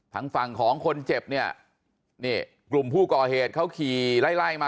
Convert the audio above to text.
ทางฝั่งของคนเจ็บเนี่ยนี่กลุ่มผู้ก่อเหตุเขาขี่ไล่ไล่มา